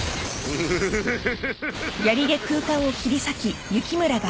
・フフフフ。